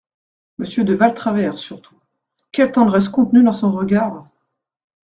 Monsieur de Valtravers surtout … quelle tendresse contenue dans son regard !